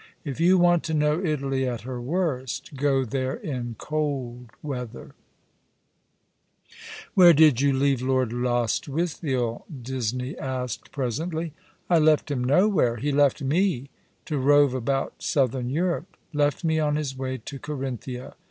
If you want to know Italy at her worst go there in cold weather." ''Far, too far off !' 155 " Where did you leave Lord Lostwitliiel ?" Disney asked presently. " I left him nowhere. He left me to rove about Southern Europe — left me on his way to Carinthia.